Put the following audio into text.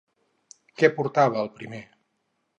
Què portava el primer?